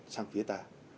sang phía bạn